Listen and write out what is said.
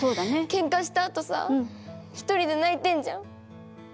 けんかしたあとさ１人で泣いてるじゃん。